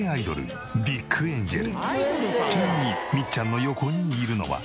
ちなみにみっちゃんの横にいるのは。